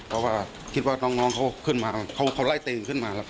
เพราะว่าคิดว่าน้องเขาขึ้นมาเขาไล่ตีขึ้นมาแล้วก็